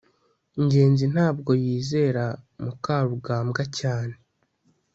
ngenzi ntabwo yizera mukarugambwa cyane